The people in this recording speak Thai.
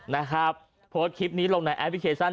นะครับโพสต์คลิปนี้ลงในแอปพลิเคชัน